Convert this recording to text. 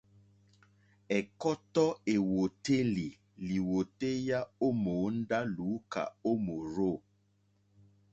Ɛ̀kɔ́tɔ́ èwòtélì lìwòtéyá ó mòóndá lùúkà ó mòrzô.